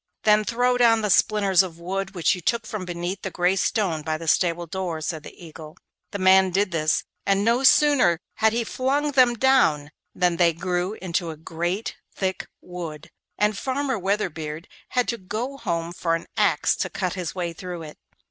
'Then throw down the splinters of wood which you took from beneath the gray stone by the stable door,' said the Eagle. The man did this, and no sooner had he flung them down than they grew up into a great thick wood, and Farmer Weatherbeard had to go home for an axe to cut his way through it.